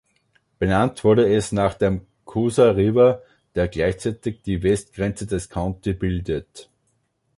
Benannt wurde es nach dem Coosa River, der gleichzeitig die Westgrenze des County bildet.